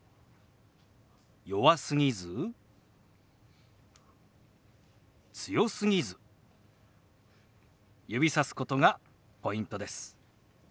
弱すぎず強すぎず指さすことがポイントです。